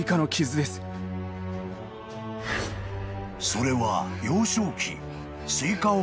［それは幼少期］